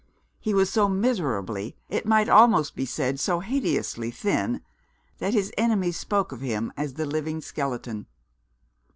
He was so miserably it might almost be said, so hideously thin that his enemies spoke of him as "the living skeleton."